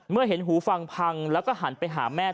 เมื่อเห็นหูฟังพังแล้วก็หันไปหาแม่